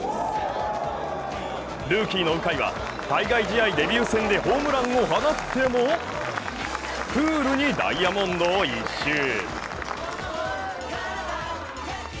ルーキーの鵜飼は対外試合デビュー戦でホームランを放ってもクールにダイヤモンドを一周。